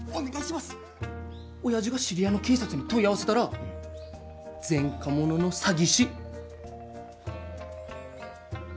親父が知り合いの警察に問い合わせたら前科者の詐欺師。